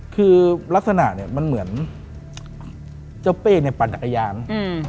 คือลักษณะเนี่ยมันเหมือนเจ้าเป้ในป่าดจักรยานอืม